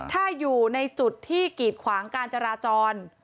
ถ้าอยู่ในจุดที่กีดขวางการจราจร